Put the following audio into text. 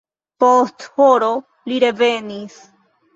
Post horo li revenis.